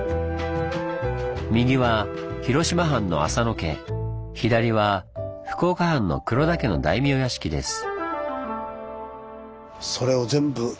右は広島藩の浅野家左は福岡藩の黒田家の大名屋敷です。